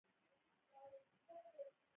آیا چې موږ خپل چاپیریال وپیژنو؟